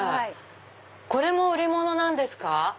これも売り物なんですか？